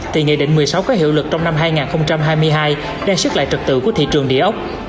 thì nghị định một mươi sáu có hiệu lực trong năm hai nghìn hai mươi hai đang xích lại trật tự của thị trường địa ốc